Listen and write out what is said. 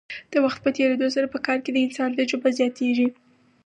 د وخت په تیریدو سره په کار کې د انسان تجربه زیاتیږي.